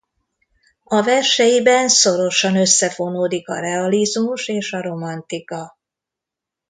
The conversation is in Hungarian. A verseiben szorosan összefonódik a realizmus és a romantika.